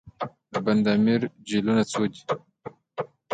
د بند امیر جهیلونه څو دي؟